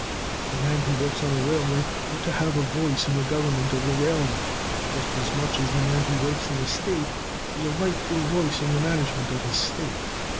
The man who works on a railway ought to have a voice in the government of the railway, just as much as the man who works in a state has a right to a voice in the management of his state.